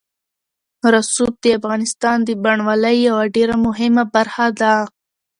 رسوب د افغانستان د بڼوالۍ یوه ډېره مهمه برخه ده.